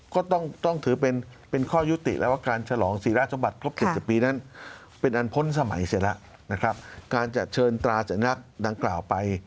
ก็ต้องถือเป็นเป็นข้อยุติแล้วกลางสีราชบัตรครบ๗๐ปีนั่นเป็นเอาพ้นสมัยเสียแล้วการเชิญตราสัญลักษณะดังกล่าวไป